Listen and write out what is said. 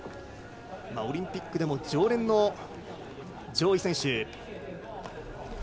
オリンピックでも常連の上位選手。